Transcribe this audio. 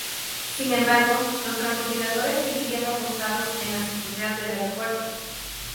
Sin embargo, los francotiradores seguirían apostados en las azoteas del aeropuerto.